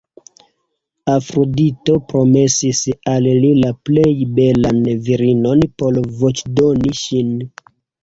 Afrodito promesis al li la plej belan virinon por voĉdoni ŝin.